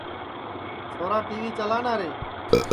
چھورا ٹی وی چلانا رے